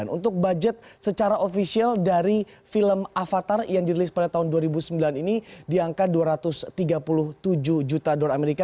untuk budget secara ofisial dari film avatar yang dirilis pada tahun dua ribu sembilan ini di angka dua ratus tiga puluh tujuh juta dolar amerika